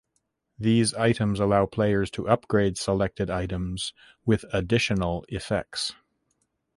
These items allow players to upgrade selected items with additional effects.